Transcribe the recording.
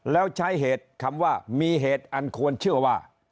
แล้วใช้เหตุคำว่ามีเหตุอันควรเชื่อว่า